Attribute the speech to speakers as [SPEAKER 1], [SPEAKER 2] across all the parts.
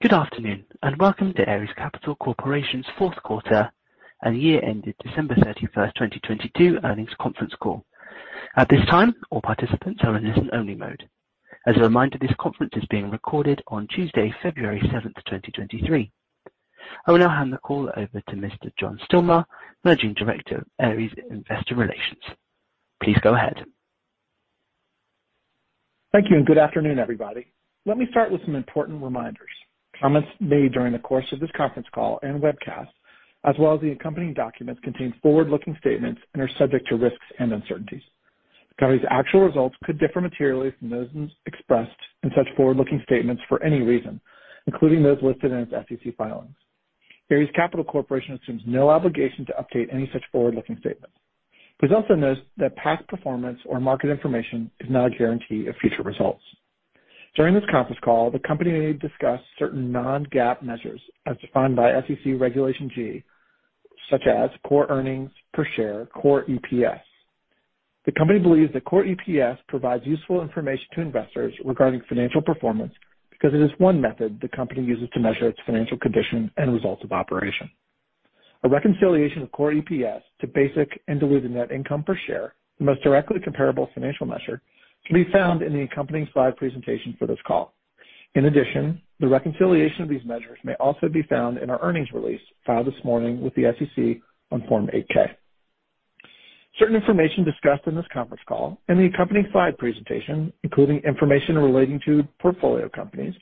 [SPEAKER 1] Good afternoon, and welcome to Ares Capital Corporation's fourth quarter and year-ended December 31st, 2022 earnings conference call. At this time, all participants are in listen-only mode. As a reminder, this conference is being recorded on Tuesday, February 7, 2023. I will now hand the call over to Mr. John Stilmar, Managing Director of Ares Investor Relations. Please go ahead.
[SPEAKER 2] Thank you, good afternoon, everybody. Let me start with some important reminders. Comments made during the course of this conference call and webcast, as well as the accompanying documents, contain forward-looking statements and are subject to risks and uncertainties. Ares' actual results could differ materially from those expressed in such forward-looking statements for any reason, including those listed in its SEC filings. Ares Capital Corporation assumes no obligation to update any such forward-looking statements. Please also note that past performance or market information is not a guarantee of future results. During this conference call, the company may discuss certain non-GAAP measures as defined by SEC Regulation G, such as core earnings per share, core EPS. The company believes that core EPS provides useful information to investors regarding financial performance because it is one method the company uses to measure its financial condition and results of operation. A reconciliation of core EPS to basic and diluted net income per share, the most directly comparable financial measure, can be found in the accompanying slide presentation for this call. The reconciliation of these measures may also be found in our earnings release filed this morning with the SEC on Form 8-K. Certain information discussed in this conference call and the accompanying slide presentation, including information relating to portfolio companies,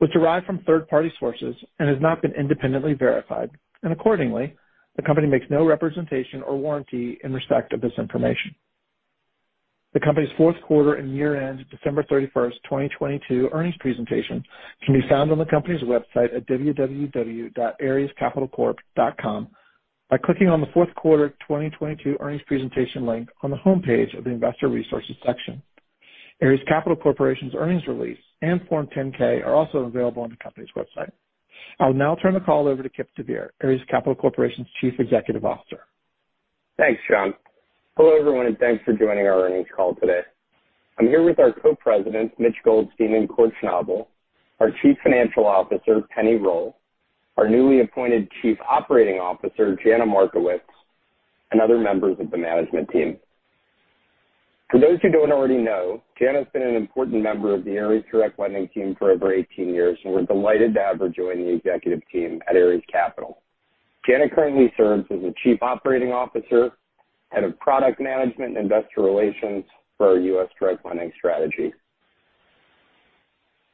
[SPEAKER 2] was derived from third-party sources and has not been independently verified. Accordingly, the company makes no representation or warranty in respect of this information. The company's fourth quarter and year-end, December 31st, 2022, earnings presentation can be found on the company's website at www.arescapitalcorp.com by clicking on the fourth quarter 2022 earnings presentation link on the homepage of the Investor Resources section. Ares Capital Corporation's earnings release and Form 10-K are also available on the company's website. I'll now turn the call over to Kipp deVeer, Ares Capital Corporation's Chief Executive Officer.
[SPEAKER 3] Thanks, John. Hello, everyone, and thanks for joining our earnings call today. I'm here with our Co-Presidents, Mitch Goldstein and Kort Schnabel, our Chief Financial Officer, Penni Roll, our newly appointed Chief Operating Officer, Jana Markowicz, and other members of the management team. For those who don't already know, Jana's been an important member of the Ares direct lending team for over 18 years, and we're delighted to have her join the executive team at Ares Capital. Jana currently serves as the Chief Operating Officer, Head of Product Management and Investor Relations for our US direct lending strategy.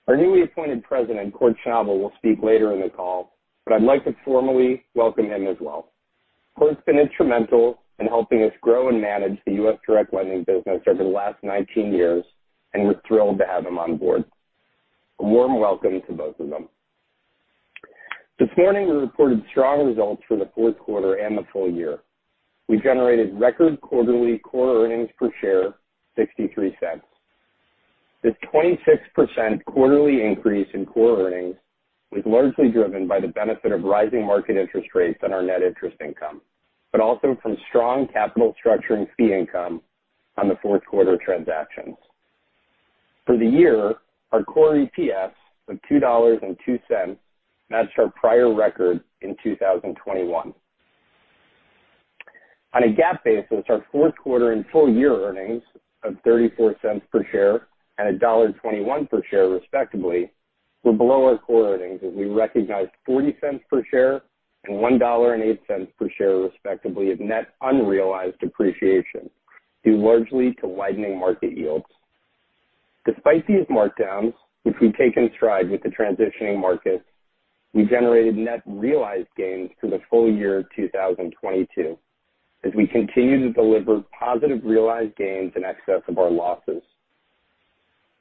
[SPEAKER 3] Our newly appointed president, Kort Schnabel, will speak later in the call, but I'd like to formally welcome him as well. Kort's been instrumental in helping us grow and manage the US direct lending business over the last 19 years, and we're thrilled to have him on board. A warm welcome to both of them. This morning, we reported strong results for the fourth quarter and the full year. We generated record quarterly Core Earnings Per Share, $0.63. This 26% quarterly increase in Core Earnings was largely driven by the benefit of rising market interest rates on our Net Interest Income, but also from strong capital structuring fee income on the fourth quarter transactions. For the year, our Core EPS of $2.02 matched our prior record in 2021. On a GAAP basis, our fourth quarter and full year earnings of $0.34 per share and $1.21 per share, respectively, were below our Core Earnings as we recognized $0.40 per share and $1.08 per share, respectively, of net unrealized depreciation, due largely to widening market yields. Despite these markdowns, which we've taken stride with the transitioning market, we generated net realized gains through the full year of 2022 as we continue to deliver positive realized gains in excess of our losses.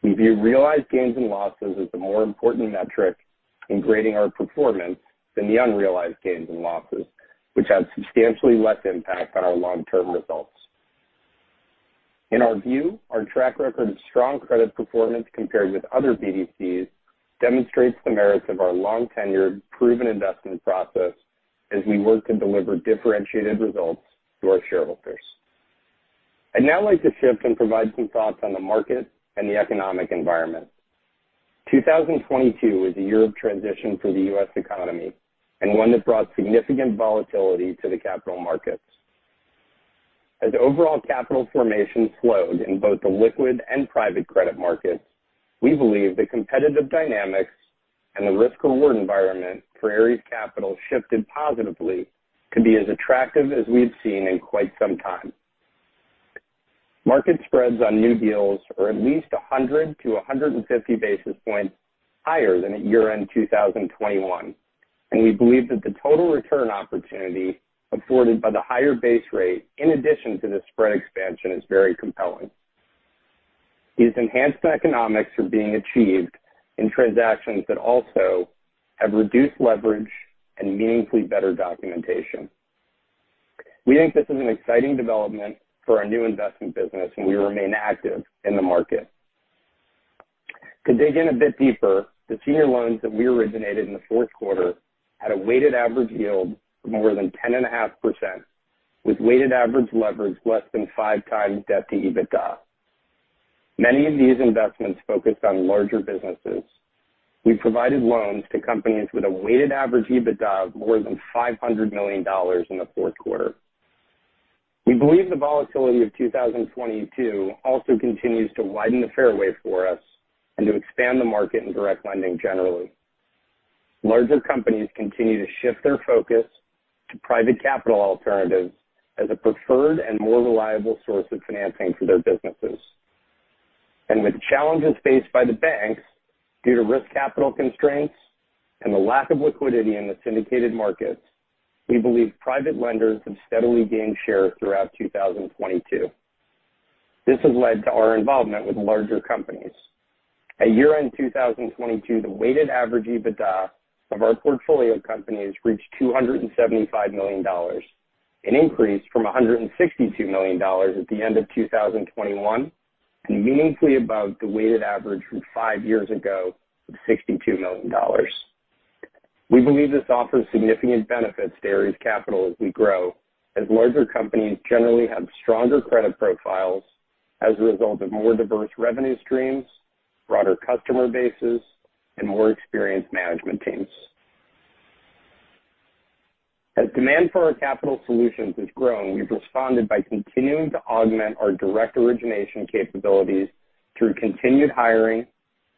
[SPEAKER 3] We view realized gains and losses as the more important metric in grading our performance than the unrealized gains and losses, which have substantially less impact on our long-term results. In our view, our track record of strong credit performance compared with other BDCs demonstrates the merits of our long tenure proven investment process as we work to deliver differentiated results to our shareholders. I'd now like to shift and provide some thoughts on the market and the economic environment. 2022 was a year of transition for the U.S. economy and one that brought significant volatility to the capital markets. As overall capital formation slowed in both the liquid and private credit markets, we believe the competitive dynamics and the risk reward environment for Ares Capital shifted positively to be as attractive as we've seen in quite some time. Market spreads on new deals are at least 100-150 basis points higher than at year-end 2021, and we believe that the total return opportunity afforded by the higher base rate in addition to the spread expansion is very compelling. These enhanced economics are being achieved in transactions that also have reduced leverage and meaningfully better documentation. We think this is an exciting development for our new investment business, and we remain active in the market. To dig in a bit deeper, the senior loans that we originated in the fourth quarter had a weighted average yield of more than 10.5%. With weighted average leverage less than 5x debt-to-EBITDA. Many of these investments focused on larger businesses. We provided loans to companies with a weighted average EBITDA of more than $500 million in the fourth quarter. We believe the volatility of 2022 also continues to widen the fairway for us and to expand the market in direct lending generally. Larger companies continue to shift their focus to private capital alternatives as a preferred and more reliable source of financing for their businesses. With the challenges faced by the banks due to risk capital constraints and the lack of liquidity in the syndicated markets, we believe private lenders have steadily gained share throughout 2022. This has led to our involvement with larger companies. At year-end 2022, the weighted average EBITDA of our portfolio companies reached $275 million, an increase from $162 million at the end of 2021, and meaningfully above the weighted average from five years ago of $62 million. We believe this offers significant benefits to Ares Capital as we grow, as larger companies generally have stronger credit profiles as a result of more diverse revenue streams, broader customer bases, and more experienced management teams. As demand for our capital solutions has grown, we've responded by continuing to augment our direct origination capabilities through continued hiring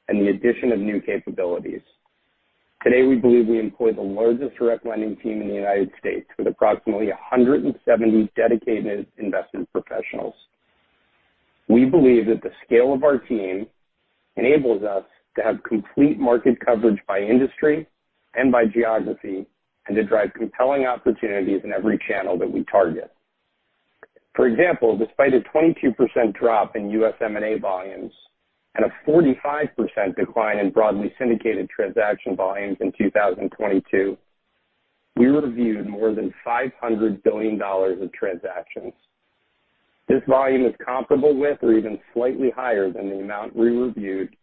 [SPEAKER 3] and the addition of new capabilities. Today, we believe we employ the largest direct lending team in the United States with approximately 170 dedicated investment professionals. We believe that the scale of our team enables us to have complete market coverage by industry and by geography, and to drive compelling opportunities in every channel that we target. For example, despite a 22% drop in U.S. M&A volumes and a 45% decline in broadly syndicated transaction volumes in 2022, we reviewed more than $500 billion of transactions. This volume is comparable with or even slightly higher than the amount we reviewed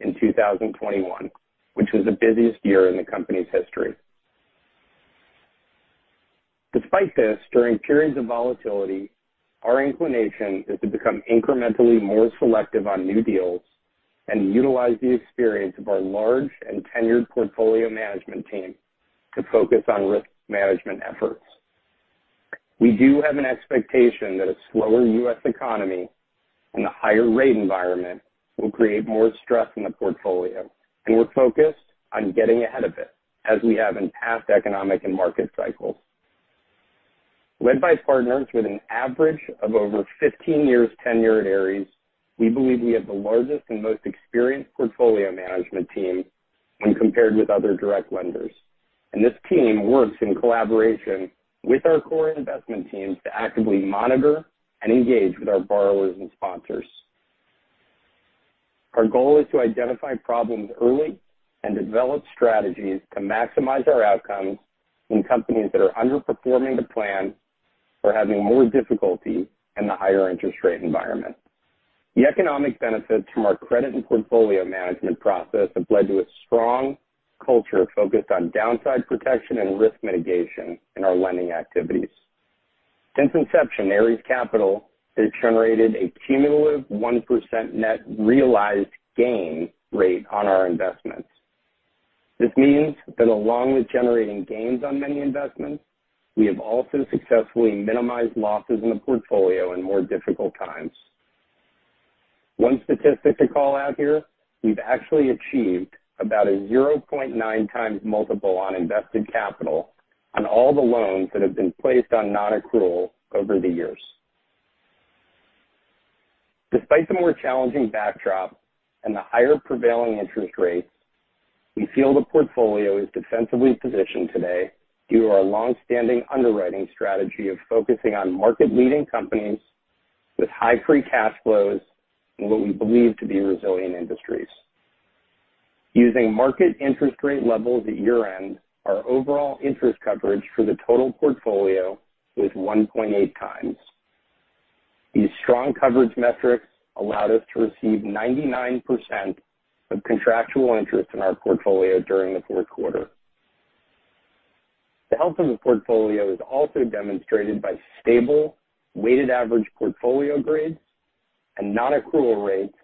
[SPEAKER 3] in 2021, which was the busiest year in the company's history. Despite this, during periods of volatility, our inclination is to become incrementally more selective on new deals and utilize the experience of our large and tenured portfolio management team to focus on risk management efforts. We do have an expectation that a slower U.S. economy and a higher rate environment will create more stress in the portfolio, and we're focused on getting ahead of it as we have in past economic and market cycles. Led by partners with an average of over 15 years tenure at Ares, we believe we have the largest and most experienced portfolio management team when compared with other direct lenders. This team works in collaboration with our core investment teams to actively monitor and engage with our borrowers and sponsors. Our goal is to identify problems early and develop strategies to maximize our outcomes in companies that are underperforming the plan or having more difficulty in the higher interest rate environment. The economic benefits from our credit and portfolio management process have led to a strong culture focused on downside protection and risk mitigation in our lending activities. Since inception, Ares Capital has generated a cumulative 1% net realized gain rate on our investments. This means that along with generating gains on many investments, we have also successfully minimized losses in the portfolio in more difficult times. One statistic to call out here, we've actually achieved about a 0.9x multiple on invested capital on all the loans that have been placed on non-accrual over the years. Despite the more challenging backdrop and the higher prevailing interest rates, we feel the portfolio is defensively positioned today due to our long-standing underwriting strategy of focusing on market-leading companies with high free cash flows in what we believe to be resilient industries. Using market interest rate levels at year-end, our overall interest coverage for the total portfolio was 1.8 times. These strong coverage metrics allowed us to receive 99% of contractual interest in our portfolio during the fourth quarter. The health of the portfolio is also demonstrated by stable weighted average portfolio grades and non-accrual rates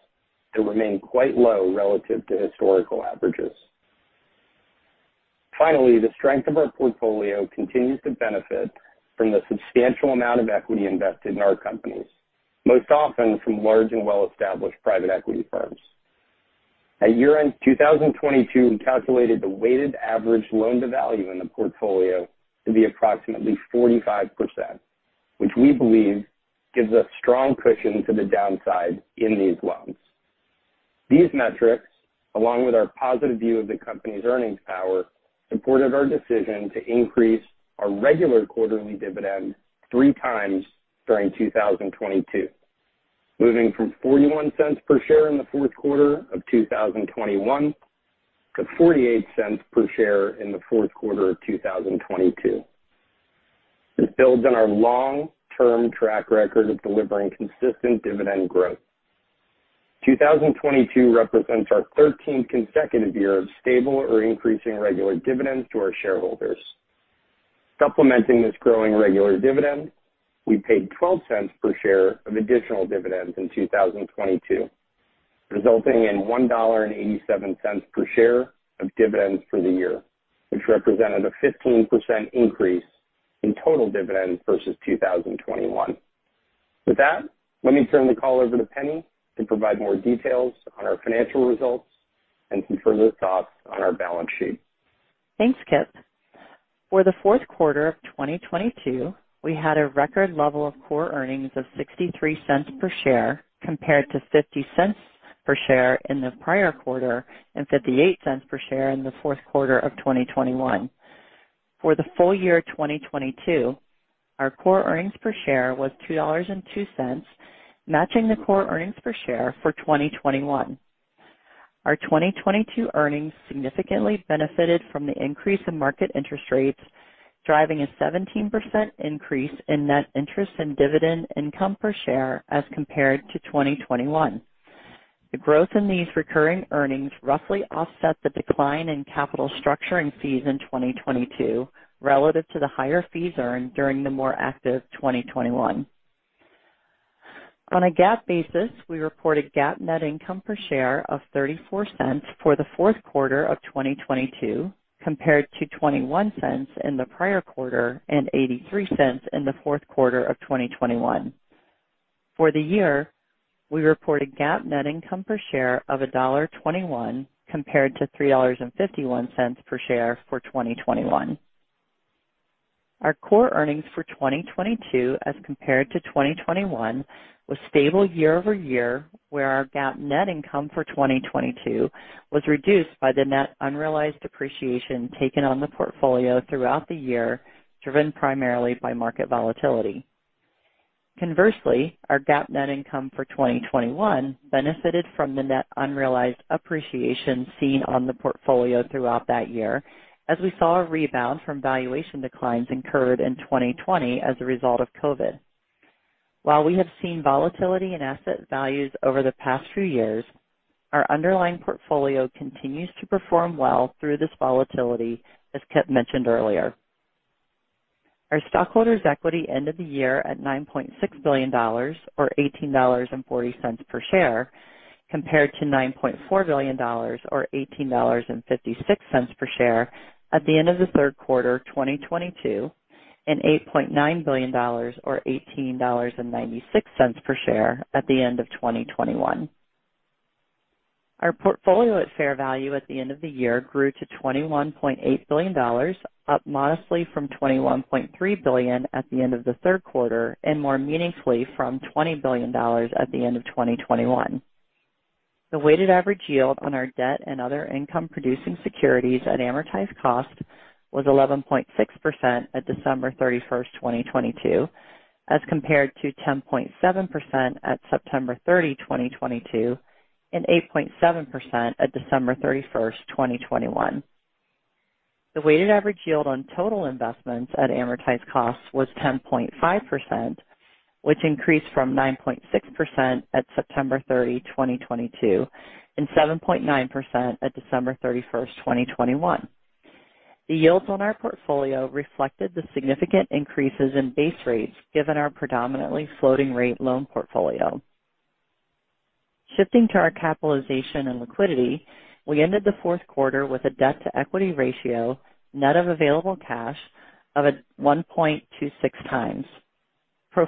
[SPEAKER 3] that remain quite low relative to historical averages. Finally, the strength of our portfolio continues to benefit from the substantial amount of equity invested in our companies, most often from large and well-established private equity firms. At year-end 2022, we calculated the weighted average loan-to-value in the portfolio to be approximately 45%, which we believe gives us strong cushion to the downside in these loans. These metrics, along with our positive view of the company's earnings power, supported our decision to increase our regular quarterly dividend three times during 2022, moving from $0.41 per share in the fourth quarter of 2021 to $0.48 per share in the fourth quarter of 2022. This builds on our long-term track record of delivering consistent dividend growth. 2022 represents our 13th consecutive year of stable or increasing regular dividends to our shareholders. Supplementing this growing regular dividend, we paid $0.12 per share of additional dividends in 2022, resulting in $1.87 per share of dividends for the year, which represented a 15% increase in total dividends versus 2021. With that, let me turn the call over to Pennie to provide more details on our financial results and some further thoughts on our balance sheet.
[SPEAKER 4] Thanks, Kipp. For the fourth quarter of 2022, we had a record level of core earnings of $0.63 per share compared to $0.50 per share in the prior quarter and $0.58 per share in the fourth quarter of 2021. For the full year 2022, our core earnings per share was $2.02, matching the core earnings per share for 2021. Our 2022 earnings significantly benefited from the increase in market interest rates, driving a 17% increase in net interest and dividend income per share as compared to 2021. The growth in these recurring earnings roughly offset the decline in capital structuring fees in 2022 relative to the higher fees earned during the more active 2021. On a GAAP basis, we reported GAAP net income per share of $0.34 for the 4th quarter of 2022 compared to $0.21 in the prior quarter and $0.83 in the fourth quarter of 2021. For the year, we reported GAAP net income per share of $1.21 compared to $3.51 per share for 2021. Our core earnings for 2022 as compared to 2021 was stable year-over-year, where our GAAP net income for 2022 was reduced by the net unrealized depreciation taken on the portfolio throughout the year, driven primarily by market volatility. Conversely, our GAAP net income for 2021 benefited from the net unrealized appreciation seen on the portfolio throughout that year as we saw a rebound from valuation declines incurred in 2020 as a result of COVID. While we have seen volatility in asset values over the past few years, our underlying portfolio continues to perform well through this volatility, as Kipp mentioned earlier. Our stockholders' equity ended the year at $9.6 billion or $18.40 per share, compared to $9.4 billion or $18.56 per share at the end of the third quarter of 2022, and $8.9 billion or $18.96 per share at the end of 2021. Our portfolio at fair value at the end of the year grew to $21.8 billion, up modestly from $21.3 billion at the end of the third quarter, and more meaningfully from $20 billion at the end of 2021. The weighted average yield on our debt and other income producing securities at amortized cost was 11.6% at December 31st, 2022, as compared to 10.7% at September 30, 2022, and 8.7% at December 31st, 2021. The weighted average yield on total investments at amortized costs was 10.5%, which increased from 9.6% at September 30, 2022, and 7.9% at December 31st, 2021. The yields on our portfolio reflected the significant increases in base rates given our predominantly floating rate loan portfolio. Shifting to our capitalization and liquidity, we ended the fourth quarter with a debt-to-equity ratio net of available cash of at 1.26x. Pro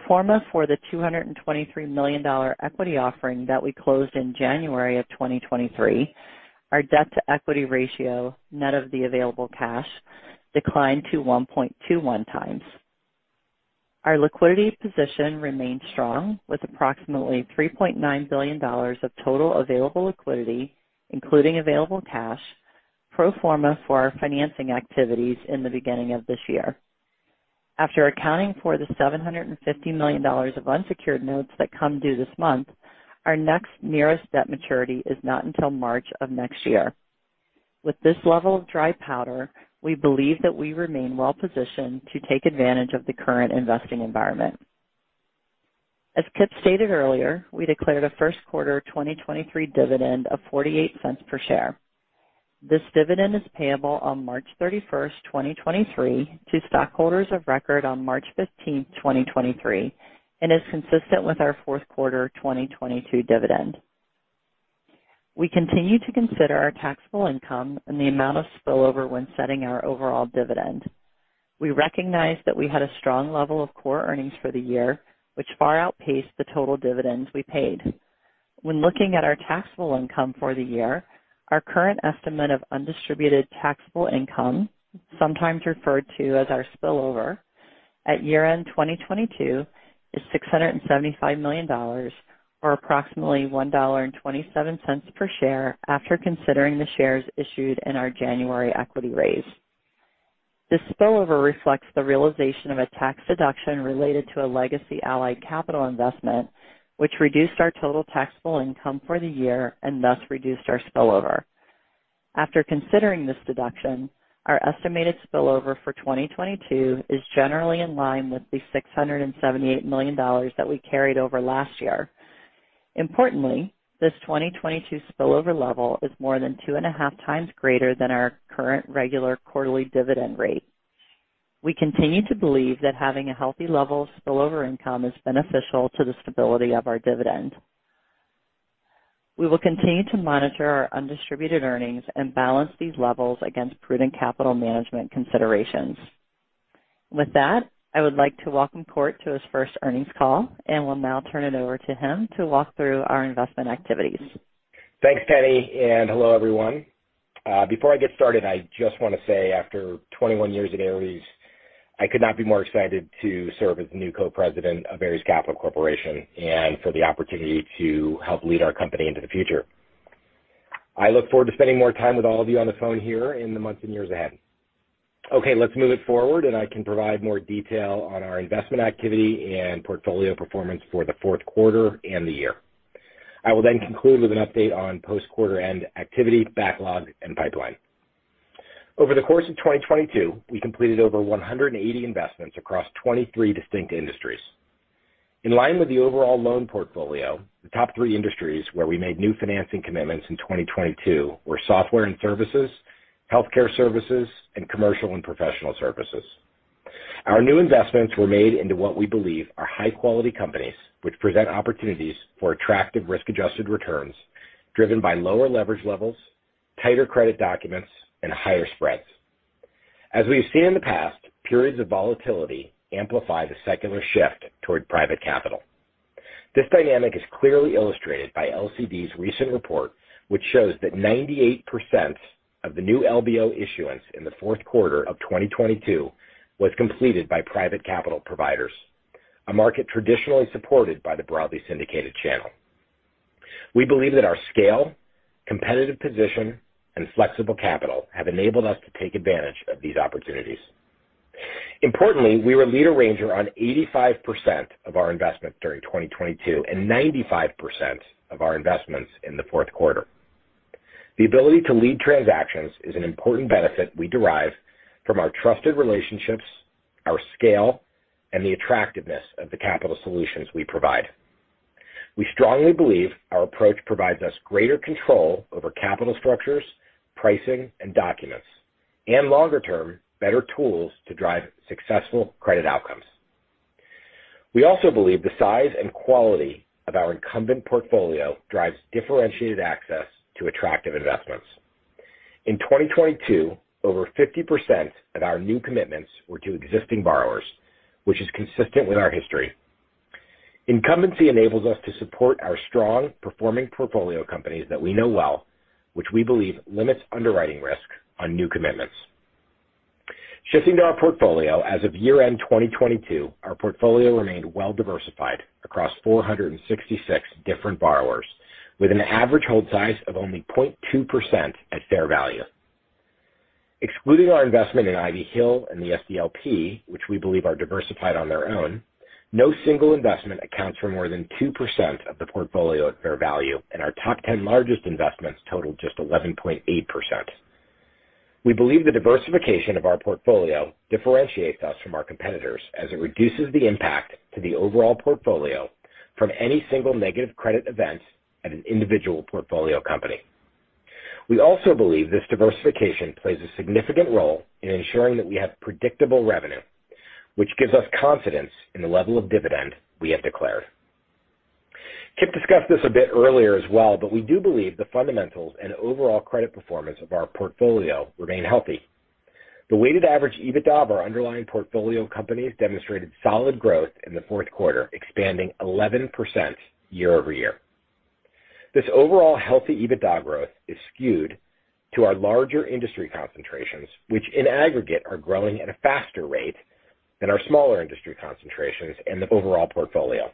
[SPEAKER 4] forma for the $223 million equity offering that we closed in January of 2023, our debt-to-equity ratio, net of the available cash declined to 1.21x. Our liquidity position remains strong with approximately $3.9 billion of total available liquidity, including available cash pro forma for our financing activities in the beginning of this year. After accounting for the $750 million of unsecured notes that come due this month, our next nearest debt maturity is not until March of next year. With this level of dry powder, we believe that we remain well positioned to take advantage of the current investing environment. As Kipp stated earlier, we declared a first quarter 2023 dividend of $0.48 per share. This dividend is payable on March 31st, 2023 to stockholders of record on March 15th, 2023 and is consistent with our fourth quarter 2022 dividend. We continue to consider our taxable income and the amount of spillover when setting our overall dividend. We recognize that we had a strong level of core earnings for the year, which far outpaced the total dividends we paid. When looking at our taxable income for the year, our current estimate of undistributed taxable income, sometimes referred to as our spillover at year-end 2022 is $675 million or approximately $1.27 per share after considering the shares issued in our January equity raise. This spillover reflects the realization of a tax deduction related to a legacy Allied Capital investment, which reduced our total taxable income for the year and thus reduced our spillover. After considering this deduction, our estimated spillover for 2022 is generally in line with the $678 million that we carried over last year. Importantly, this 2022 spillover level is more than 2.5 times greater than our current regular quarterly dividend rate. We continue to believe that having a healthy level of spillover income is beneficial to the stability of our dividend. We will continue to monitor our undistributed earnings and balance these levels against prudent capital management considerations. With that, I would like to welcome Kort to his first earnings call and will now turn it over to him to walk through our investment activities.
[SPEAKER 5] Thanks, Penni, and hello, everyone. Before I get started, I just want to say after 21 years at Ares, I could not be more excited to serve as the new co-president of Ares Capital Corporation and for the opportunity to help lead our company into the future. I look forward to spending more time with all of you on the phone here in the months and years ahead. Okay, let's move it forward, and I can provide more detail on our investment activity and portfolio performance for the fourth quarter and the year. I will conclude with an update on post-quarter end activity, backlog, and pipeline. Over the course of 2022, we completed over 180 investments across 23 distinct industries. In line with the overall loan portfolio, the top three industries where we made new financing commitments in 2022 were software and services, healthcare services, and commercial and professional services. Our new investments were made into what we believe are high-quality companies which present opportunities for attractive risk-adjusted returns driven by lower leverage levels, tighter credit documents, and higher spreads. As we've seen in the past, periods of volatility amplify the secular shift toward private capital. This dynamic is clearly illustrated by LCD's recent report, which shows that 98% of the new LBO issuance in the fourth quarter of 2022 was completed by private capital providers, a market traditionally supported by the broadly syndicated channel. We believe that our scale, competitive position, and flexible capital have enabled us to take advantage of these opportunities. Importantly, we were lead arranger on 85% of our investments during 2022 and 95% of our investments in the fourth quarter. The ability to lead transactions is an important benefit we derive from our trusted relationships, our scale, and the attractiveness of the capital solutions we provide. We strongly believe our approach provides us greater control over capital structures, pricing, and documents, and longer term, better tools to drive successful credit outcomes. We also believe the size and quality of our incumbent portfolio drives differentiated access to attractive investments. In 2022, over 50% of our new commitments were to existing borrowers, which is consistent with our history. Incumbency enables us to support our strong performing portfolio companies that we know well, which we believe limits underwriting risk on new commitments. Shifting to our portfolio, as of year-end 2022, our portfolio remained well-diversified across 466 different borrowers, with an average hold size of only 0.2% at fair value. Excluding our investment in Ivy Hill and the SDLP, which we believe are diversified on their own, no single investment accounts for more than 2% of the portfolio at fair value, and our top 10 largest investments total just 11.8%. We believe the diversification of our portfolio differentiates us from our competitors as it reduces the impact to the overall portfolio from any single negative credit event at an individual portfolio company. We also believe this diversification plays a significant role in ensuring that we have predictable revenue, which gives us confidence in the level of dividend we have declared. Kipp discussed this a bit earlier as well. We do believe the fundamentals and overall credit performance of our portfolio remain healthy. The weighted average EBITDA of our underlying portfolio companies demonstrated solid growth in the fourth quarter, expanding 11% year-over-year. This overall healthy EBITDA growth is skewed to our larger industry concentrations, which in aggregate are growing at a faster rate than our smaller industry concentrations in the overall portfolio.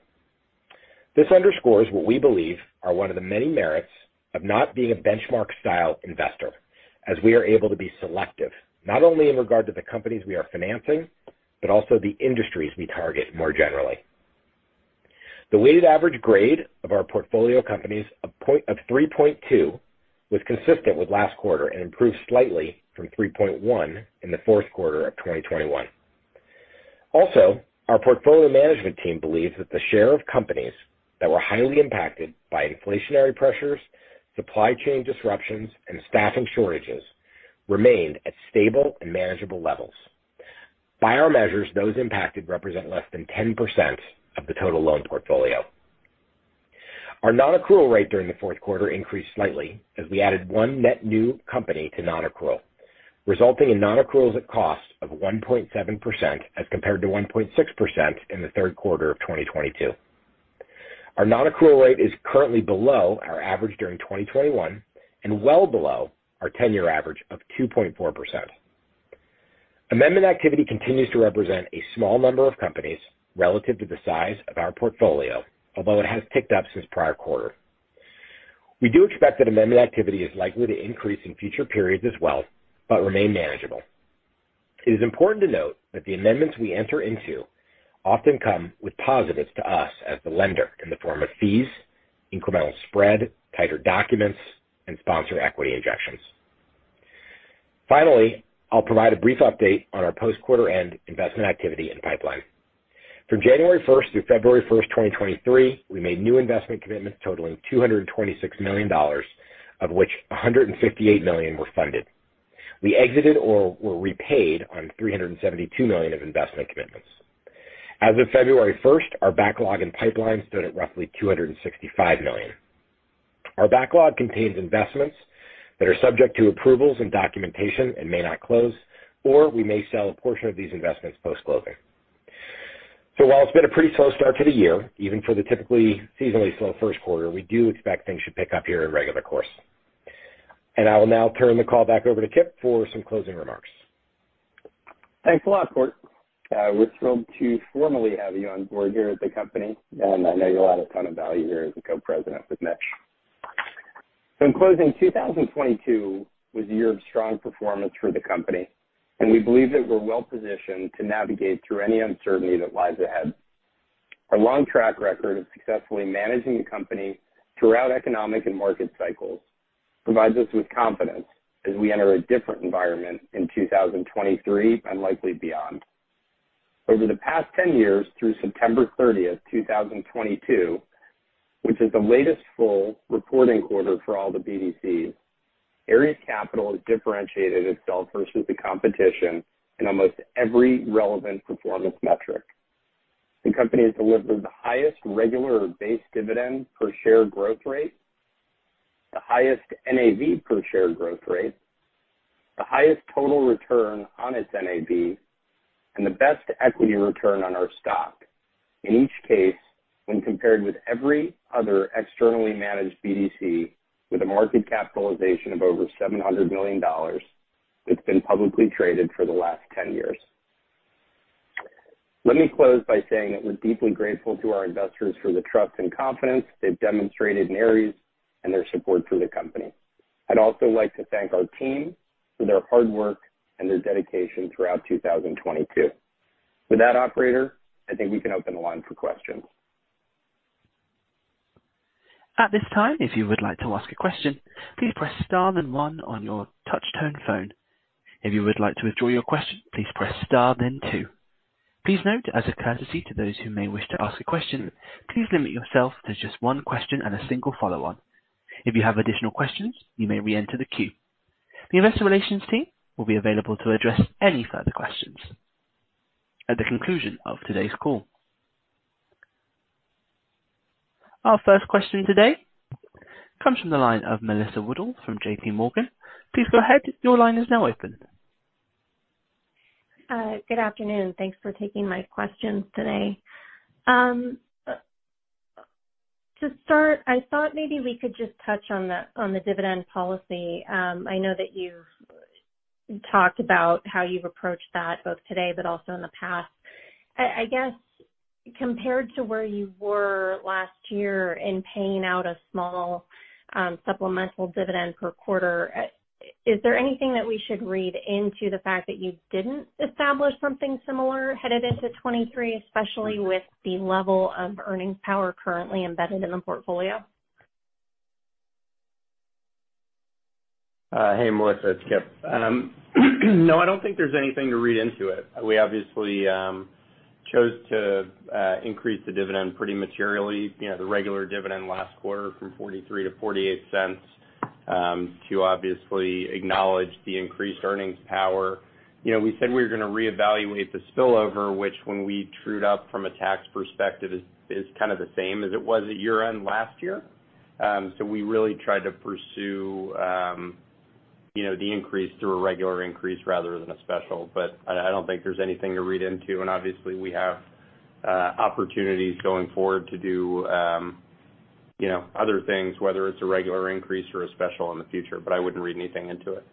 [SPEAKER 5] This underscores what we believe are one of the many merits of not being a benchmark-style investor, as we are able to be selective, not only in regard to the companies we are financing, but also the industries we target more generally. The weighted average grade of our portfolio companies of 3.2 was consistent with last quarter and improved slightly from 3.1 in the fourth quarter of 2021. Our portfolio management team believes that the share of companies that were highly impacted by inflationary pressures, supply chain disruptions, and staffing shortages remained at stable and manageable levels. By our measures, those impacted represent less than 10% of the total loan portfolio. Our nonaccrual rate during the fourth quarter increased slightly as we added one net new company to nonaccrual, resulting in nonaccruals at cost of 1.7% as compared to 1.6% in the third quarter of 2022. Our nonaccrual rate is currently below our average during 2021 and well below our ten-year average of 2.4%. Amendment activity continues to represent a small number of companies relative to the size of our portfolio. Although it has ticked up since prior quarter. We do expect that amendment activity is likely to increase in future periods as well, but remain manageable. It is important to note that the amendments we enter into often come with positives to us as the lender in the form of fees, incremental spread, tighter documents, and sponsor equity injections. Finally, I'll provide a brief update on our post-quarter end investment activity and pipeline. From January first through February first 2023, we made new investment commitments totaling $226 million, of which $158 million were funded. We exited or were repaid on $372 million of investment commitments. As of February first, our backlog and pipeline stood at roughly $265 million. Our backlog contains investments that are subject to approvals and documentation and may not close, or we may sell a portion of these investments post-closing. While it's been a pretty slow start to the year, even for the typically seasonally slow first quarter, we do expect things should pick up here in regular course. I will now turn the call back over to Kipp for some closing remarks.
[SPEAKER 3] Thanks a lot, Kort. We're thrilled to formally have you on board here at the company, and I know you'll add a ton of value here as a Co-President with Mitch Goldstein. In closing, 2022 was a year of strong performance for the company, and we believe that we're well-positioned to navigate through any uncertainty that lies ahead. Our long track record of successfully managing the company throughout economic and market cycles provides us with confidence as we enter a different environment in 2023 and likely beyond. Over the past 10 years through September 30th, 2022, which is the latest full reporting quarter for all the BDCs, Ares Capital has differentiated itself versus the competition in almost every relevant performance metric. The company has delivered the highest regular or base dividend per share growth rate, the highest NAV per share growth rate, the highest total return on its NAV, and the best equity return on our stock. In each case, when compared with every other externally managed BDC with a market capitalization of over $700 million that's been publicly traded for the last 10 years. Let me close by saying that we're deeply grateful to our investors for the trust and confidence they've demonstrated in Ares and their support for the company. I'd also like to thank our team for their hard work and their dedication throughout 2022. With that operator, I think we can open the line for questions.
[SPEAKER 1] At this time, if you would like to ask a question, please press star then one on your touch tone phone. If you would like to withdraw your question, please press star then two. Please note as a courtesy to those who may wish to ask a question, please limit yourself to just one question and a single follow-on. If you have additional questions, you may reenter the queue. The investor relations team will be available to address any further questions at the conclusion of today's call. Our first question today comes from the line of Melissa Wedel from JPMorgan. Please go ahead. Your line is now open.
[SPEAKER 6] Good afternoon. Thanks for taking my questions today. To start, I thought maybe we could just touch on the dividend policy. I know that you've talked about how you've approached that both today, but also in the past. I guess compared to where you were last year in paying out a small supplemental dividend per quarter, is there anything that we should read into the fact that you didn't establish something similar headed into 2023, especially with the level of earnings power currently embedded in the portfolio?
[SPEAKER 3] Hey, Melissa, it's Kipp. No, I don't think there's anything to read into it. We obviously chose to increase the dividend pretty materially, you know, the regular dividend last quarter from $0.43-$0.48 to obviously acknowledge the increased earnings power. You know, we said we were gonna reevaluate the spillover, which when we trued up from a tax perspective is kind of the same as it was at year-end last year. We really tried to pursue, you know, the increase through a regular increase rather than a special. I don't think there's anything to read into. Obviously, we have opportunities going forward to do, you know, other things, whether it's a regular increase or a special in the future, but I wouldn't read anything into it.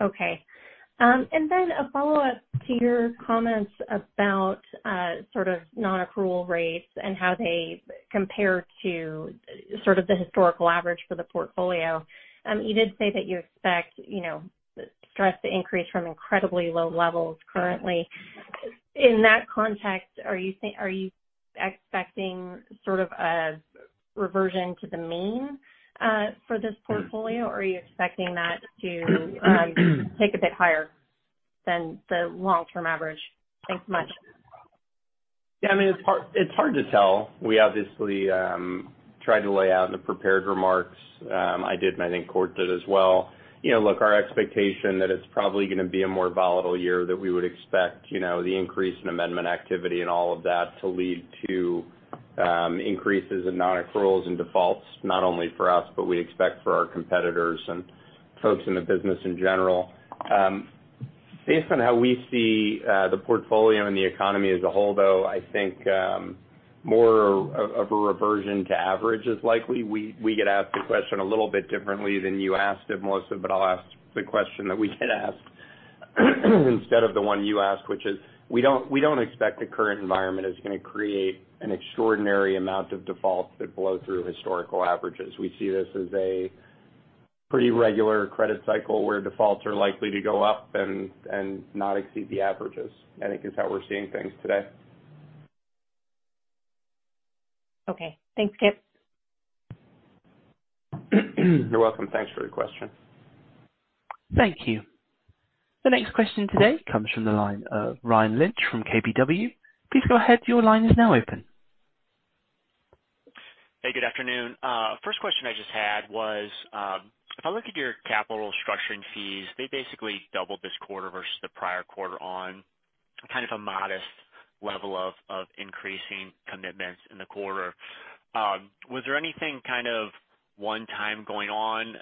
[SPEAKER 6] Okay. A follow-up to your comments about sort of non-accrual rates and how they compare to sort of the historical average for the portfolio. You did say that you expect, you know, stress to increase from incredibly low levels currently. In that context, are you expecting sort of a reversion to the mean for this portfolio? Or are you expecting that to tick a bit higher than the long-term average? Thanks so much.
[SPEAKER 3] Yeah. I mean, it's hard to tell. We obviously tried to lay out in the prepared remarks, I did, and I think Kort did as well. You know, look, our expectation that it's probably gonna be a more volatile year that we would expect, you know, the increase in amendment activity and all of that to lead to increases in non-accruals and defaults, not only for us, but we expect for our competitors and folks in the business in general. Based on how we see the portfolio and the economy as a whole, though, I think more of a reversion to average is likely. We get asked the question a little bit differently than you asked it, Melissa, but I'll ask the question that we get asked. Instead of the one you asked, which is we don't expect the current environment is gonna create an extraordinary amount of defaults that blow through historical averages. We see this as a pretty regular credit cycle where defaults are likely to go up and not exceed the averages, I think is how we're seeing things today.
[SPEAKER 6] Okay. Thanks, Kipp.
[SPEAKER 3] You're welcome. Thanks for your question.
[SPEAKER 1] Thank you. The next question today comes from the line of Ryan Lynch from KBW. Please go ahead. Your line is now open.
[SPEAKER 7] Hey, good afternoon. First question I just had was, if I look at your capital structuring fees, they basically doubled this quarter versus the prior quarter on kind of a modest level of increasing commitments in the quarter. Was there anything kind of onetime going on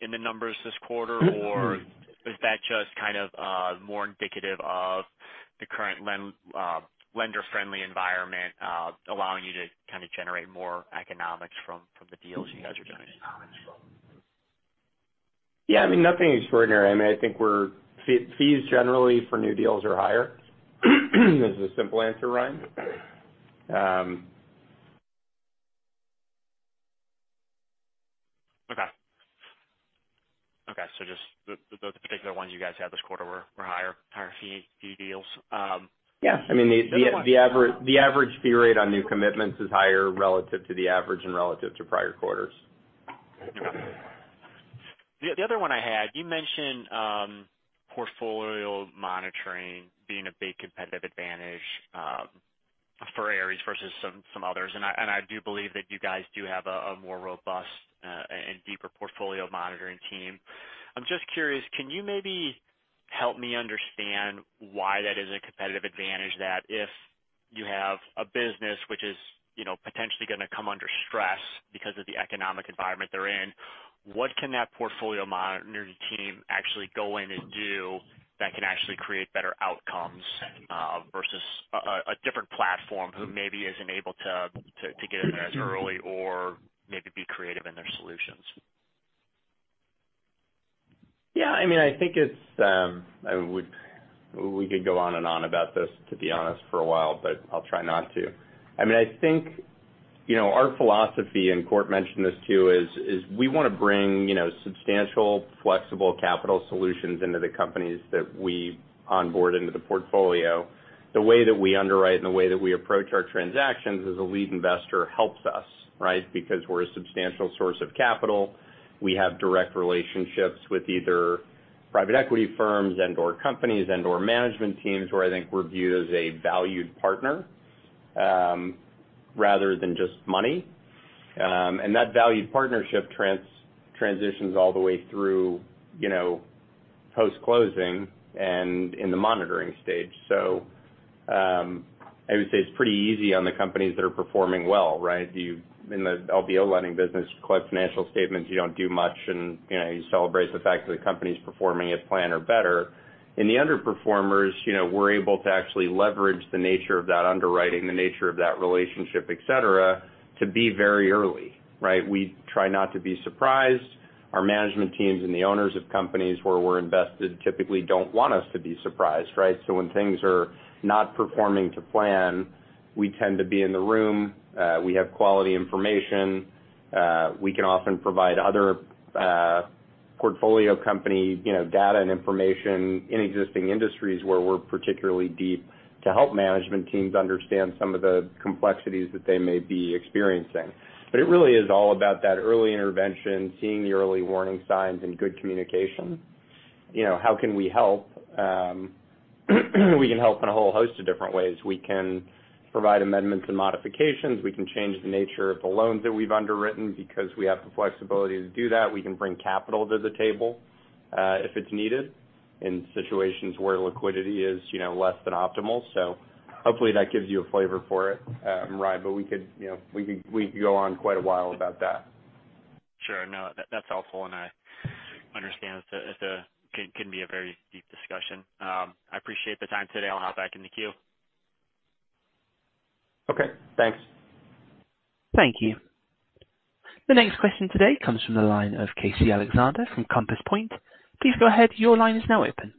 [SPEAKER 7] in the numbers this quarter, or is that just kind of more indicative of the current lender-friendly environment, allowing you to kinda generate more economics from the deals you guys are doing?
[SPEAKER 3] Yeah, I mean, nothing extraordinary. I mean, I think Fees generally for new deals are higher. This is a simple answer, Ryan.
[SPEAKER 7] Okay. Just the particular ones you guys had this quarter were higher fee-fee deals.
[SPEAKER 3] Yes. I mean, the, the average fee rate on new commitments is higher relative to the average and relative to prior quarters.
[SPEAKER 7] The other one I had, you mentioned, portfolio monitoring being a big competitive advantage for Ares versus some others. I do believe that you guys do have a more robust and deeper portfolio monitoring team. I'm just curious, can you maybe help me understand why that is a competitive advantage that if you have a business which is, you know, potentially gonna come under stress because of the economic environment they're in, what can that portfolio monitoring team actually go in and do that can actually create better outcomes versus a different platform who maybe isn't able to get in there as early or maybe be creative in their solutions?
[SPEAKER 3] Yeah, I mean, I think it's... We could go on and on about this, to be honest, for a while, but I'll try not to. I mean, I think, you know, our philosophy, and Kort mentioned this too, is we wanna bring, you know, substantial, flexible capital solutions into the companies that we onboard into the portfolio. The way that we underwrite and the way that we approach our transactions as a lead investor helps us, right? We're a substantial source of capital. We have direct relationships with either private equity firms and/or companies and/or management teams where I think we're viewed as a valued partner, rather than just money. That valued partnership transitions all the way through, you know, post-closing and in the monitoring stage. I would say it's pretty easy on the companies that are performing well, right? You, in the LBO lending business, collect financial statements, you don't do much, you know, you celebrate the fact that the company's performing as planned or better. In the underperformers, you know, we're able to actually leverage the nature of that underwriting, the nature of that relationship, et cetera, to be very early, right? We try not to be surprised. Our management teams and the owners of companies where we're invested typically don't want us to be surprised, right? When things are not performing to plan, we tend to be in the room. We have quality information. We can often provide other portfolio company, you know, data and information in existing industries where we're particularly deep to help management teams understand some of the complexities that they may be experiencing. It really is all about that early intervention, seeing the early warning signs and good communication. You know, how can we help? We can help in a whole host of different ways. We can provide amendments and modifications. We can change the nature of the loans that we've underwritten because we have the flexibility to do that. We can bring capital to the table if it's needed in situations where liquidity is, you know, less than optimal. Hopefully that gives you a flavor for it, Ryan, but we could, you know, we could go on quite a while about that.
[SPEAKER 7] Sure. No, that's helpful. I understand it's a, can be a very deep discussion. I appreciate the time today. I'll hop back in the queue.
[SPEAKER 3] Okay. Thanks.
[SPEAKER 1] Thank you. The next question today comes from the line of Casey Alexander from Compass Point. Please go ahead. Your line is now open.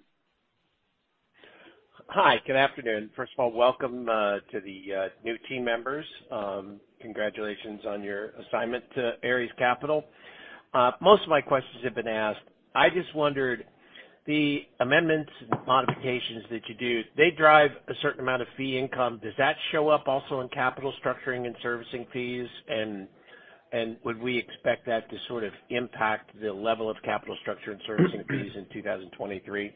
[SPEAKER 8] Hi. Good afternoon. First of all, welcome to the new team members. Congratulations on your assignment to Ares Capital. Most of my questions have been asked. I just wondered, the amendments and modifications that you do, they drive a certain amount of fee income. Does that show up also in capital structuring and servicing fees? Would we expect that to sort of impact the level of capital structure and servicing fees in 2023?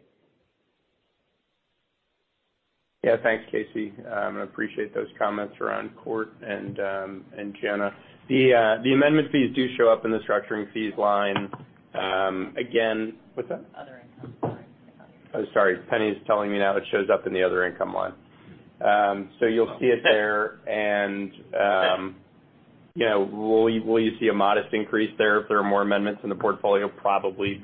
[SPEAKER 3] Yeah. Thanks, Casey. I appreciate those comments around Kort and Jana. The amendment fees do show up in the structuring fees line. Again... What's that?
[SPEAKER 4] Other income. Sorry.
[SPEAKER 3] Oh, sorry. Penni is telling me now it shows up in the other income line. You'll see it there. You know, will you see a modest increase there if there are more amendments in the portfolio? Probably.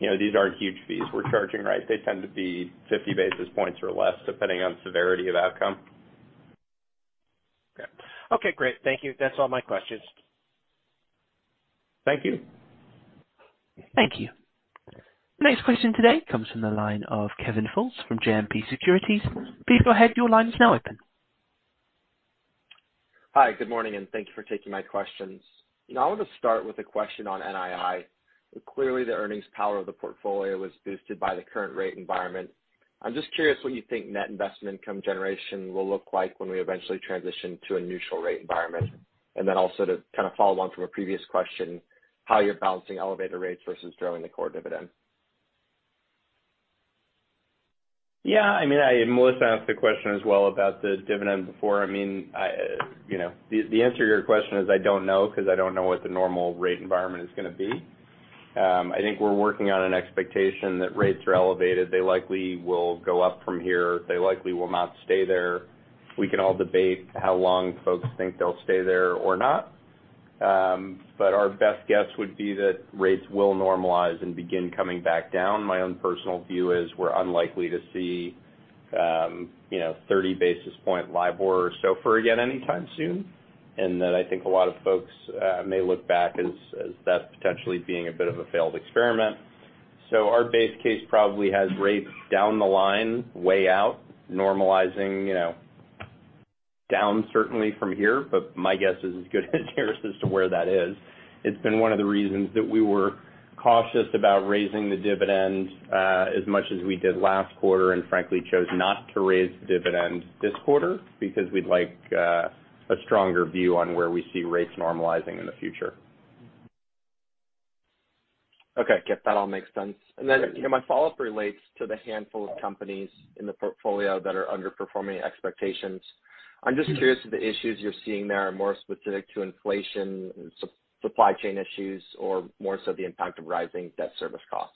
[SPEAKER 3] You know, these aren't huge fees we're charging, right? They tend to be 50 basis points or less, depending on severity of outcome.
[SPEAKER 8] Okay, great. Thank you. That's all my questions.
[SPEAKER 3] Thank you.
[SPEAKER 1] Thank you. Next question today comes from the line of Kevin Fultz from JMP Securities. Please go ahead. Your line is now open.
[SPEAKER 9] Hi, good morning. Thank you for taking my questions. You know, I want to start with a question on NII. Clearly, the earnings power of the portfolio was boosted by the current rate environment. I'm just curious what you think net investment income generation will look like when we eventually transition to a neutral rate environment. Also to kind of follow on from a previous question, how you're balancing elevated rates versus growing the core dividend.
[SPEAKER 3] Yeah, I mean, Melissa asked the question as well about the dividend before. I mean, I, you know, the answer to your question is I don't know because I don't know what the normal rate environment is gonna be. I think we're working on an expectation that rates are elevated. They likely will go up from here. They likely will not stay there. We can all debate how long folks think they'll stay there or not. Our best guess would be that rates will normalize and begin coming back down. My own personal view is we're unlikely to see, you know, 30 basis point LIBOR or SOFR again anytime soon, and that I think a lot of folks may look back as that potentially being a bit of a failed experiment. Our base case probably has rates down the line, way out, normalizing, you know, down certainly from here, but my guess is as good as theirs as to where that is. It's been one of the reasons that we were cautious about raising the dividend, as much as we did last quarter, and frankly, chose not to raise the dividend this quarter because we'd like a stronger view on where we see rates normalizing in the future.
[SPEAKER 9] Okay. Yep, that all makes sense.
[SPEAKER 3] Great.
[SPEAKER 9] Then, you know, my follow-up relates to the handful of companies in the portfolio that are underperforming expectations.
[SPEAKER 3] Mm-hmm.
[SPEAKER 9] I'm just curious if the issues you're seeing there are more specific to inflation and supply chain issues or more so the impact of rising debt service costs?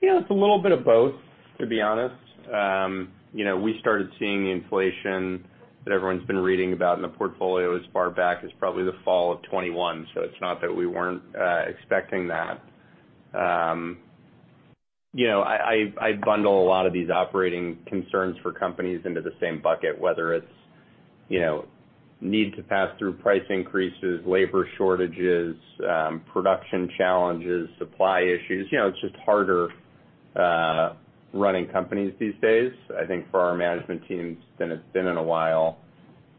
[SPEAKER 3] You know, it's a little bit of both, to be honest. You know, we started seeing inflation that everyone's been reading about in the portfolio as far back as probably the fall of 2021, so it's not that we weren't expecting that. You know, I bundle a lot of these operating concerns for companies into the same bucket, whether it's, you know, need to pass through price increases, labor shortages, production challenges, supply issues. You know, it's just harder running companies these days, I think for our management team than it's been in a while.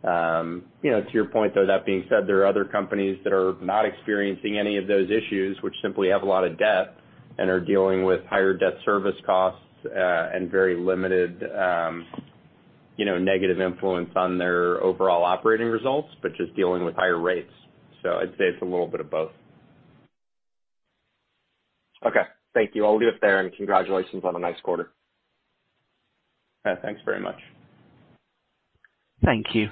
[SPEAKER 3] you know, to your point, though, that being said, there are other companies that are not experiencing any of those issues, which simply have a lot of debt and are dealing with higher debt service costs, and very limited, you know, negative influence on their overall operating results, but just dealing with higher rates. I'd say it's a little bit of both.
[SPEAKER 9] Okay. Thank you. I'll leave it there and congratulations on a nice quarter.
[SPEAKER 3] Yeah. Thanks very much.
[SPEAKER 1] Thank you.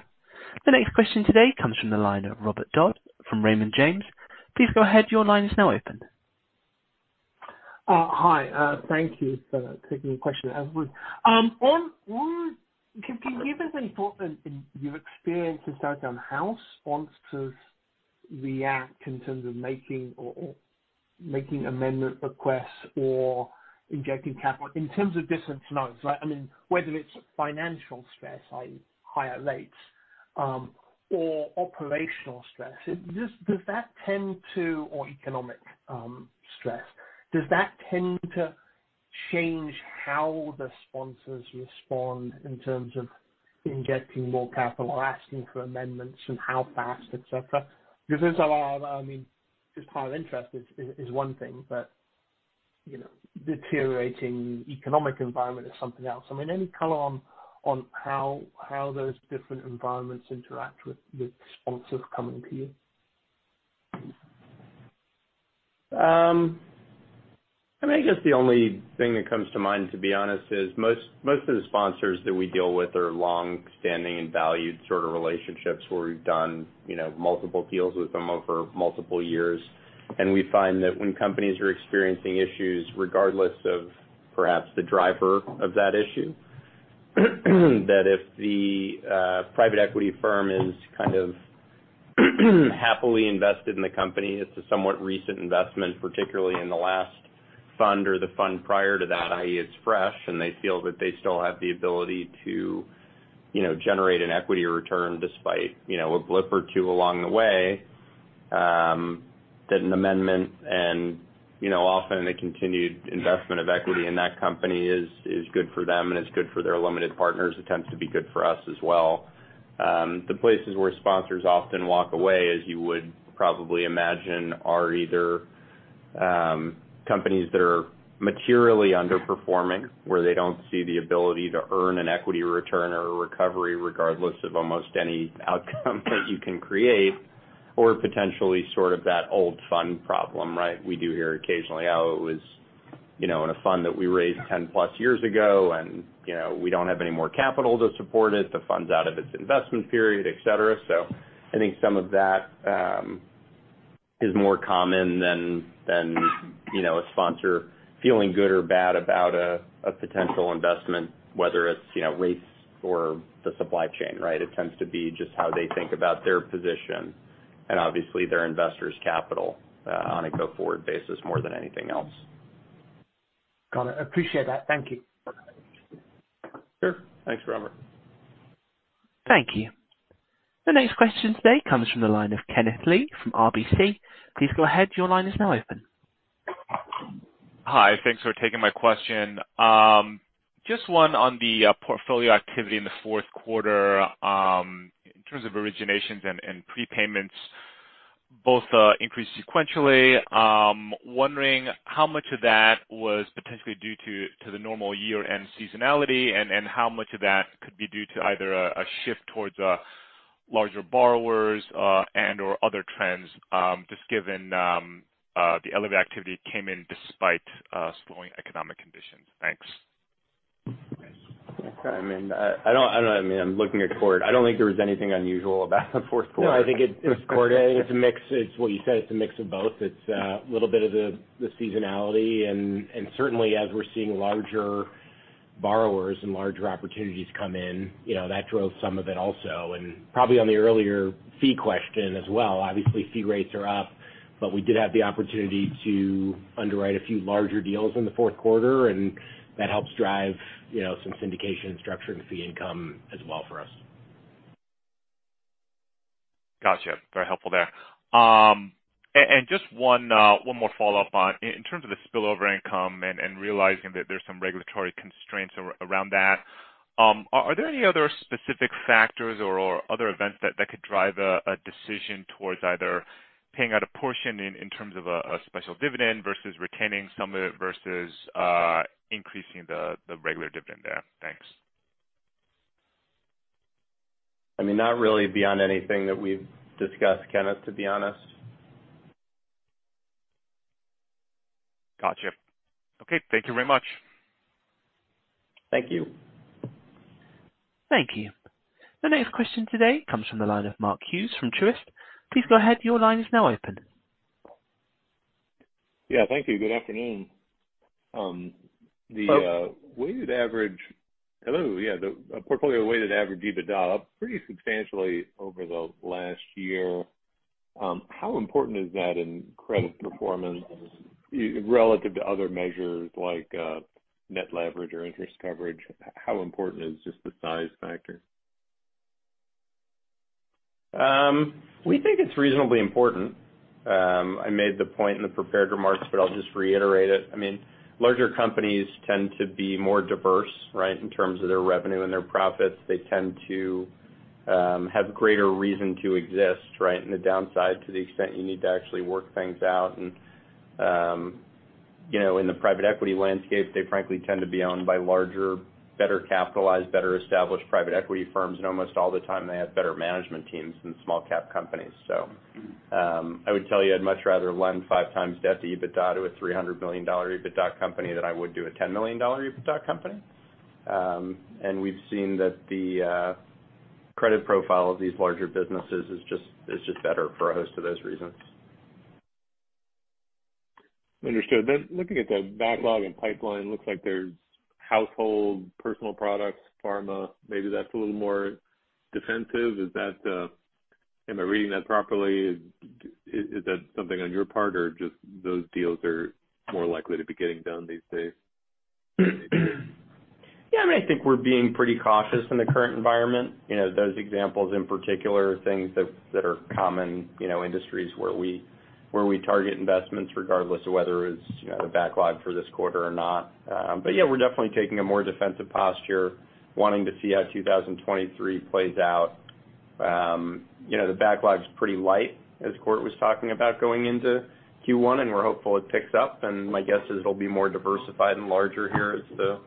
[SPEAKER 1] The next question today comes from the line of Robert Dodd from Raymond James. Please go ahead. Your line is now open.
[SPEAKER 10] Hi. Thank you for taking the question. Can you give us any thoughts on, in your experience at stare down, sponsors react in terms of making amendment requests or injecting capital in terms of different notes, right? I mean, whether it's financial stress, i.e., higher rates, or operational stress. Does that tend to or economic stress. Does that tend to change how the sponsors respond in terms of ingesting more capital or asking for amendments and how fast, et cetera? Because there's a lot of, I mean, just higher interest is one thing, but, you know, deteriorating economic environment is something else. I mean, any color on how those different environments interact with sponsors coming to you?
[SPEAKER 3] I mean, I guess the only thing that comes to mind, to be honest, is most of the sponsors that we deal with are longstanding and valued sort of relationships where we've done, you know, multiple deals with them over multiple years. We find that when companies are experiencing issues regardless of perhaps the driver of that issue, that if the private equity firm is kind of happily invested in the company, it's a somewhat recent investment, particularly in the last fund or the fund prior to that, i.e., it's fresh, and they feel that they still have the ability to, you know, generate an equity return despite, you know, a blip or two along the way, that an amendment and, you know, often a continued investment of equity in that company is good for them and it's good for their limited partners. It tends to be good for us as well. The places where sponsors often walk away, as you would probably imagine, are either companies that are materially underperforming, where they don't see the ability to earn an equity return or a recovery regardless of almost any outcome that you can create, or potentially sort of that old fund problem, right? We do hear occasionally how it was, you know, in a fund that we raised 10+ years ago and, you know, we don't have any more capital to support it, the fund's out of its investment period, et cetera. I think some of that is more common than, you know, a sponsor feeling good or bad about a potential investment, whether it's, you know, rates or the supply chain, right? It tends to be just how they think about their position. Obviously their investors capital on a go forward basis more than anything else.
[SPEAKER 10] Got it. Appreciate that. Thank you.
[SPEAKER 3] Sure. Thanks, Robert.
[SPEAKER 1] Thank you. The next question today comes from the line of Kenneth Lee from RBC. Please go ahead. Your line is now open.
[SPEAKER 11] Hi. Thanks for taking my question. Just one on the portfolio activity in the fourth quarter. In terms of originations and prepayments both increased sequentially. Wondering how much of that was potentially due to the normal year-end seasonality, and how much of that could be due to either a shift towards larger borrowers, and/or other trends? Just given the elevated activity came in despite slowing economic conditions. Thanks.
[SPEAKER 3] I mean, I don't I mean, I'm looking at Kort. I don't think there was anything unusual about the fourth quarter.
[SPEAKER 5] No, I think.
[SPEAKER 3] This quarter.
[SPEAKER 5] I think it's a mix. It's what you said, it's a mix of both. It's a little bit of the seasonality and certainly as we're seeing larger borrowers and larger opportunities come in, you know, that drove some of it also. Probably on the earlier fee question as well. Obviously, fee rates are up, we did have the opportunity to underwrite a few larger deals in the fourth quarter, and that helps drive, you know, some syndication and structuring fee income as well for us.
[SPEAKER 11] Gotcha. Very helpful there. Just one more follow-up on in terms of the spillover income and realizing that there's some regulatory constraints around that, are there any other specific factors or other events that could drive a decision towards either paying out a portion in in terms of a special dividend versus retaining some of it versus increasing the regular dividend there? Thanks.
[SPEAKER 3] I mean, not really beyond anything that we've discussed, Kenneth, to be honest.
[SPEAKER 11] Gotcha. Okay. Thank you very much.
[SPEAKER 3] Thank you.
[SPEAKER 1] Thank you. The next question today comes from the line of Mark Hughes from Truist. Please go ahead. Your line is now open.
[SPEAKER 12] Yeah, thank you. Good afternoon.
[SPEAKER 3] Hello.
[SPEAKER 12] Weighted average. Hello. Yeah, the portfolio weighted average EBITDA up pretty substantially over the last year. How important is that in credit performance relative to other measures like net leverage or interest coverage? How important is just the size factor?
[SPEAKER 3] We think it's reasonably important. I made the point in the prepared remarks, but I'll just reiterate it. I mean, larger companies tend to be more diverse, right? In terms of their revenue and their profits. They tend to have greater reason to exist, right? In the downside, to the extent you need to actually work things out. You know, in the private equity landscape, they frankly tend to be owned by larger, better capitalized, better established private equity firms. Almost all the time they have better management teams than small cap companies. I would tell you, I'd much rather lend 5x debt to EBITDA to a $300 million EBITDA company than I would do a $10 million EBITDA company. We've seen that the credit profile of these larger businesses it's just better for a host of those reasons.
[SPEAKER 12] Understood. looking at the backlog and pipeline, looks like there's household, personal products, pharma, maybe that's a little more defensive. Is that? Am I reading that properly? Is that something on your part or just those deals are more likely to be getting done these days?
[SPEAKER 3] Yeah, I mean, I think we're being pretty cautious in the current environment. You know, those examples in particular are things that are common, you know, industries where we target investments regardless of whether it's, you know, the backlog for this quarter or not. Yeah, we're definitely taking a more defensive posture, wanting to see how 2023 plays out. You know, the backlog is pretty light, as Kort was talking about going into Q1, we're hopeful it picks up. My guess is it'll be more diversified and larger here as the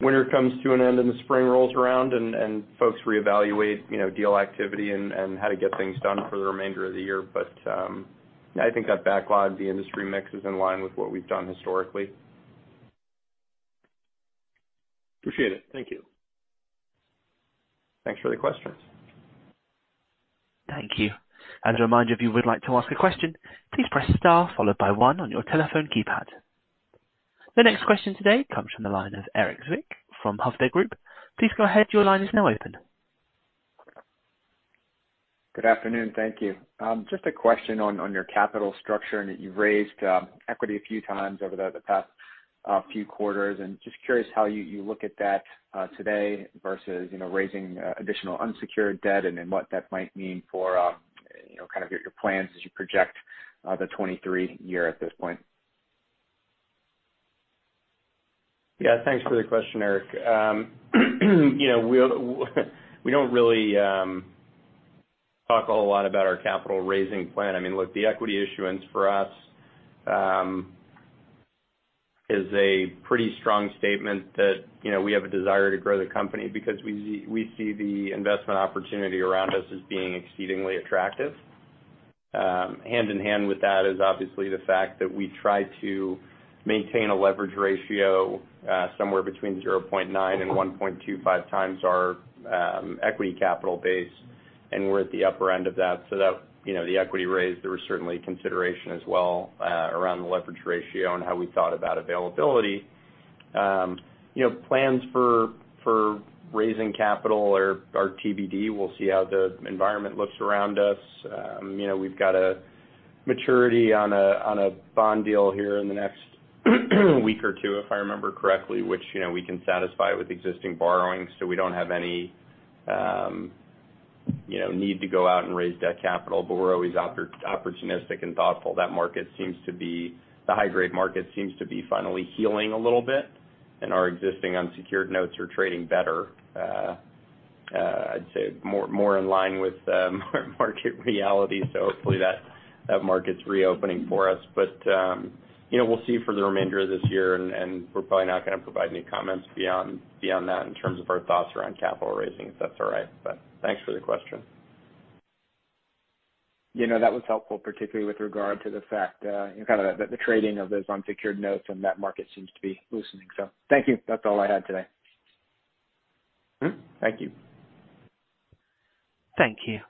[SPEAKER 3] winter comes to an end and the spring rolls around and folks reevaluate, you know, deal activity and how to get things done for the remainder of the year. Yeah, I think that backlog, the industry mix is in line with what we've done historically.
[SPEAKER 12] Appreciate it. Thank you.
[SPEAKER 3] Thanks for the questions.
[SPEAKER 1] Thank you. As a reminder, if you would like to ask a question, please press star followed by one on your telephone keypad. The next question today comes from the line of Erik Zwick from Hovde Group. Please go ahead. Your line is now open.
[SPEAKER 13] Good afternoon. Thank you. Just a question on your capital structure. I know you've raised equity a few times over the past few quarters. Just curious how you look at that today versus, you know, raising additional unsecured debt and then what that might mean for, you know, kind of your plans as you project the 2023 year at this point?
[SPEAKER 3] Yeah, thanks for the question, Erik. you know, We don't really talk a whole lot about our capital raising plan. I mean, look, the equity issuance for us is a pretty strong statement that, you know, we have a desire to grow the company because we see the investment opportunity around us as being exceedingly attractive. Hand in hand with that is obviously the fact that we try to maintain a leverage ratio somewhere between 0.9 and 1.25x our equity capital base, and we're at the upper end of that. That, you know, the equity raise, there was certainly consideration as well around the leverage ratio and how we thought about availability. you know, plans for raising capital are TBD. We'll see how the environment looks around us. You know, we've got a maturity on a bond deal here in the next week or two, if I remember correctly, which, you know, we can satisfy with existing borrowings. We don't have any, you know, need to go out and raise debt capital, but we're always opportunistic and thoughtful. The high grade market seems to be finally healing a little bit. Our existing unsecured notes are trading better. I'd say more in line with market reality. Hopefully that market's reopening for us. You know, we'll see for the remainder of this year, and we're probably not gonna provide any comments beyond that in terms of our thoughts around capital raising, if that's all right. Thanks for the question.
[SPEAKER 13] You know, that was helpful, particularly with regard to the fact, you know, kinda the trading of those unsecured notes and that market seems to be loosening. Thank you. That's all I had today.
[SPEAKER 3] Mm-hmm. Thank you.
[SPEAKER 1] Thank you.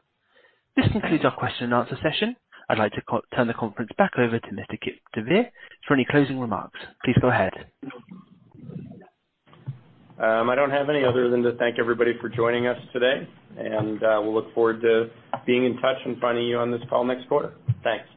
[SPEAKER 1] This concludes our question and answer session. I'd like to turn the conference back over to Kipp deVeer for any closing remarks. Please go ahead.
[SPEAKER 3] I don't have any other than to thank everybody for joining us today, and we'll look forward to being in touch and finding you on this call next quarter. Thanks.